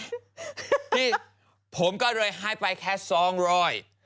ที่ผมก็เลยให้ไปแค่๒๐๐บาท